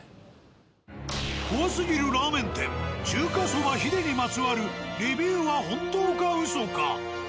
怖すぎるラーメン店「中華そば秀」にまつわるレビューは本当かウソか。